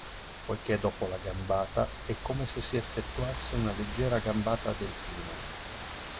Poiché dopo la gambata è come se si effettuasse una leggera gambata a delfino.